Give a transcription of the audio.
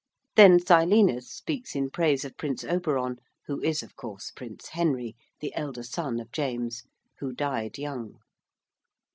Then Silenus speaks in praise of Prince Oberon, who is, of course, Prince Henry, the elder son of James, who died young.